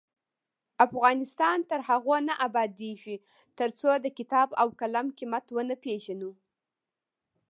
افغانستان تر هغو نه ابادیږي، ترڅو د کتاب او قلم قیمت ونه پیژنو.